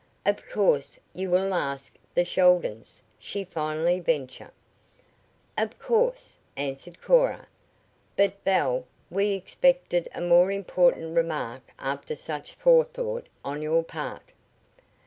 "Of course, you will ask the Sheldons," she finally venture. "Of course," answered Cora. "But, Belle, we expected a more important remark after such forethought on your part."